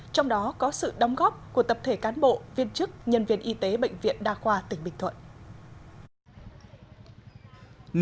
trong đó có sự đóng góp của tập thể cán bộ viên chức nhân viên y tế bệnh viện đa khoa tỉnh bình thuận